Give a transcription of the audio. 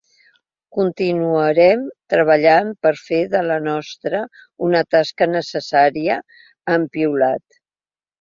Continuarem treballant per fer de la nostra, una tasca necessària, han piulat.